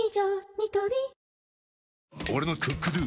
ニトリ俺の「ＣｏｏｋＤｏ」！